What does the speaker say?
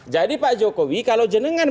jadi pak jokowi kalau jenengan menang